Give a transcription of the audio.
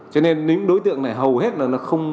cho nên đối tượng này hầu hết là không